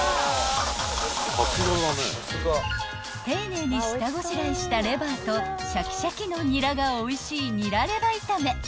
［丁寧に下ごしらえしたレバーとシャキシャキのニラがおいしいニラレバ炒め］